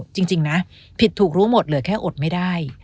จริงนะผิดถูกรู้หมดเหลือแค่อดไม่ได้